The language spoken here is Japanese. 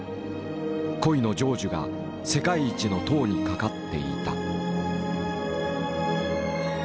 恋の成就が世界一の塔にかかっていた。